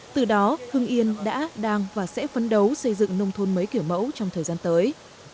từ đó hưng yên đã đang và sẽ phấn đấu xây dựng nông thôn mới